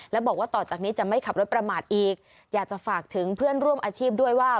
และบอกว่าต่อจากนี้จะไม่ขับรถประมาทอีกอยากจะฝากถึงเพื่อนร่วมอาชีพด้วยว่า